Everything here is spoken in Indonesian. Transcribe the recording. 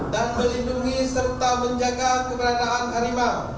dan melindungi serta menjaga keberadaan harimau